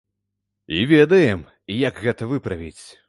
І ведаем, як гэта выправіць.